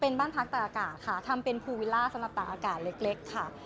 เป็นบ้านพักตากอากาศค่ะทำเป็นภูวิลล่าสำหรับตากอากาศเล็กค่ะ